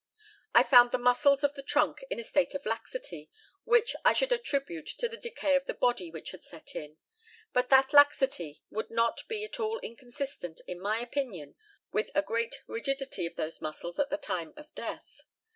I found the muscles of the trunk in a state of laxity, which I should attribute to the decay of the body which had set in; but that laxity would not be at all inconsistent, in my opinion, with a great rigidity of those muscles at the time of death.